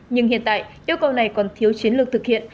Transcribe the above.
nhưng hiện tại yêu cầu này còn thiếu chiến lược thực hiện